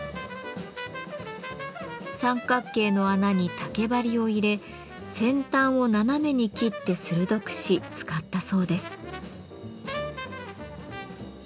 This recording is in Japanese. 三角形の穴に竹針を入れ先端を斜めに切って鋭くし使ったそうです。